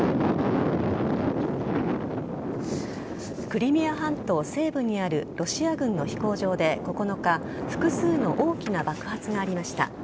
クリミア半島西部にあるロシア軍の飛行場で９日複数の大きな爆発がありました。